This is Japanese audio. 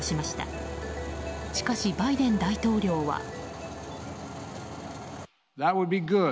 しかし、バイデン大統領は。